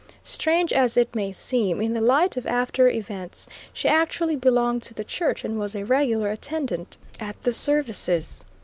Strange as it may seem in the light of after events, she actually belonged to the church and was a regular attendant at the services.